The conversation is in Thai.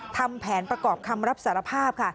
ทำแผนประกอบคำรับสารภาพค่ะ